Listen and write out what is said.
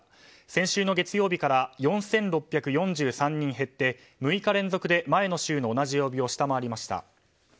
先週の月曜日から４６４３人減って６日連続で前の週の同じ曜日を下回りました。